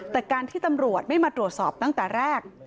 แต่การที่ตำรวจไม่มาตรวจสอบตั้งแต่แรก